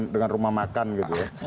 dengan rumah makan gitu ya